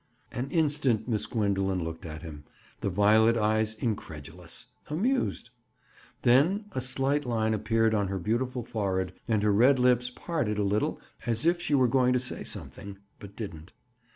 An instant Miss Gwendoline looked at him, the violet eyes incredulous, amused. Then a slight line appeared on her beautiful forehead and her red lips parted a little as if she were going to say something, but didn't.